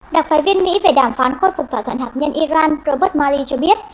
đặc phái viên mỹ về đàm phán khôi phục thỏa thuận hạt nhân iran robert mali cho biết